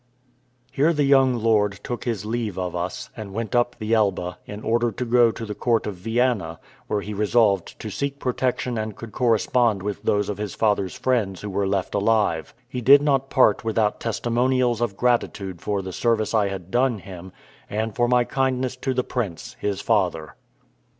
Here the young lord took his leave of us, and went up the Elbe, in order to go to the court of Vienna, where he resolved to seek protection and could correspond with those of his father's friends who were left alive. He did not part without testimonials of gratitude for the service I had done him, and for my kindness to the prince, his father.